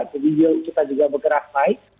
jadi yield kita juga bergerak naik